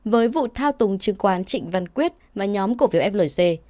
với vụ thao tùng chứng khoán trịnh văn quyết và nhóm cổ phiếu flc